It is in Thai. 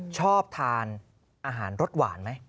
ชอบทานอาหารรสหวานไหม